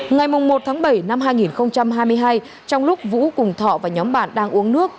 ngày một tháng bảy năm hai nghìn hai mươi hai trong lúc vũ cùng thọ và nhóm bạn đang uống nước